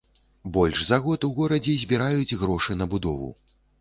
Больш за год у горадзе збіраюць грошы на будову.